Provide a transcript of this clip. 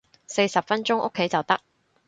四十分鐘屋企就得